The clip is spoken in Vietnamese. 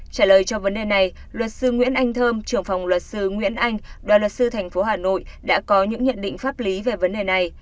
trả lời cho vấn đề này luật sư nguyễn anh thơm trưởng phòng luật sư nguyễn anh đoàn luật sư tp hà nội đã có những nhận định pháp lý về vấn đề này